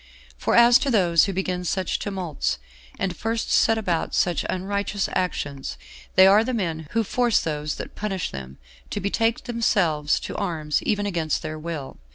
For as to those who begin such tumults, and first set about such unrighteous actions, they are the men who force those that punish them to betake themselves to arms even against their will.